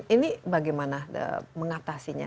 ini bagaimana mengatasinya